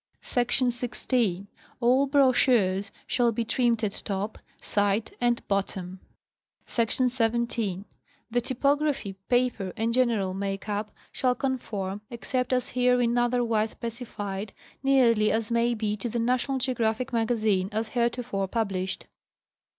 sf Sec. 16. All brochures shall be trimmed at top, side and bottom. Sec. 17. The typography, paper and general make up shall conform, except as herein otherwise specified, nearly as may be to the National Geographic Magazine as heretofore published.